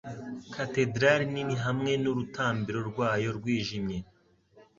Katedrali nini hamwe n'urutambiro rwayo rwijimye